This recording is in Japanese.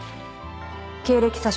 経歴詐称。